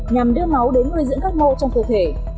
nhằm đưa máu đến nuôi dưỡng các mô trong cơ thể